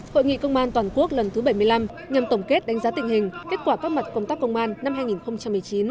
hội nghị công an toàn quốc lần thứ bảy mươi năm nhằm tổng kết đánh giá tình hình kết quả các mặt công tác công an năm hai nghìn một mươi chín